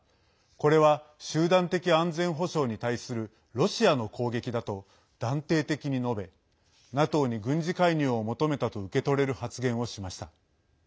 これは、集団的安全保障に対するロシアの攻撃だと断定的に述べＮＡＴＯに軍事介入を求めたと受け取れる発言をしました。